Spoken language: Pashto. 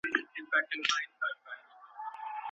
د فراغت سند په ناقانونه توګه نه جوړیږي.